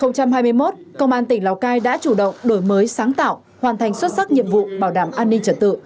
năm hai nghìn hai mươi một công an tỉnh lào cai đã chủ động đổi mới sáng tạo hoàn thành xuất sắc nhiệm vụ bảo đảm an ninh trật tự